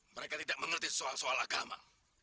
mereka tidak mengerti soal soal agama